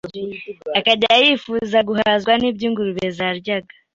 akajya yifuza guhazwa n’ibyo ingurube zaryaga,